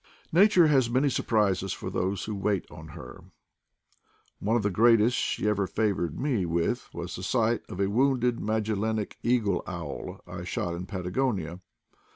Nature has many surprises for those who wait on her; one of the greatest she ever favored me with was the sight of a wounded Magellanic eagle owl I shot in Patagonia.